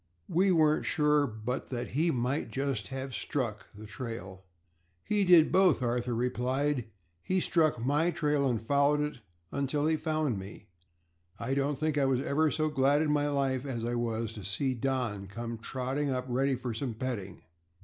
We weren't sure but that he might just have struck the trail." "He did both," Arthur replied. "He struck my trail and followed it until he found me. I don't think I was ever so glad in my life as I was to see our Don come trotting up ready for some petting.